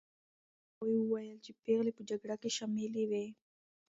هغوی وویل چې پېغلې په جګړه کې شاملي وې.